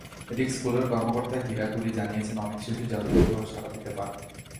এদিকে, স্কুলের কর্মকর্তা হিরাগুরি জানিয়েছেন, অনেক শিশুই যথাযথভাবে সাড়া দিতে পারে না।